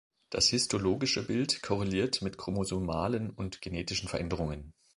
Das histologische Bild korreliert mit chromosomalen und genetischen Veränderungen.